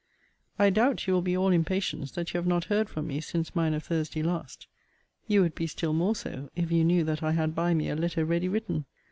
I doubt you will be all impatience that you have not heard from me since mine of Thursday last. You would be still more so, if you knew that I had by me a letter ready written.